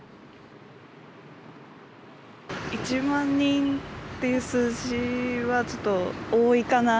１万人ていう数字はちょっと多いかなと。